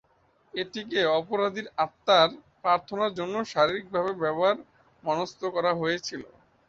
এটিকে অপরাধীর আত্মার প্রার্থনার জন্য সরকারিভাবে ব্যবহারে মনস্থ করা হয়েছিল।